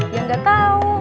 ya gak tau